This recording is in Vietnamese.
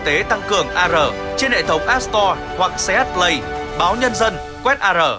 tế tăng cường ar trên hệ thống app store